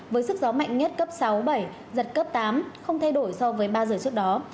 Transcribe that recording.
với sức gió mạnh nhất cấp sáu bảy giật cấp tám không thay đổi so với ba giờ trước đó